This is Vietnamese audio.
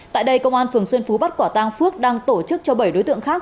tại đây công an phường xuân phú bắt quả tang phước đang tổ chức cho bảy đối tượng khác